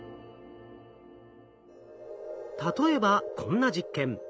例えばこんな実験。